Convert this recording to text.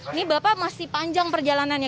ini bapak masih panjang perjalanannya